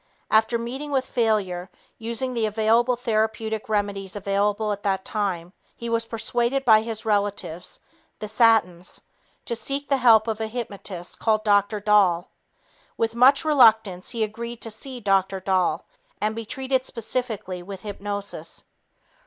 After meeting with failure, using the available therapeutic remedies available at that time, he was persuaded by his relatives, the Satins, to seek the help of a hypnotist called Dr. Dahl. With much reluctance, he agreed to see Dr. Dahl and be treated specifically with hypnosis.